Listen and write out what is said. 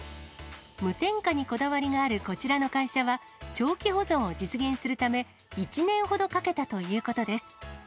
無添加にこだわりがあるこちらの会社は、長期保存を実現するため、１年ほどかけたということです。